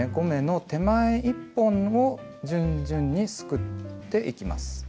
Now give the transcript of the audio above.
５目の手前１本を順々にすくっていきます。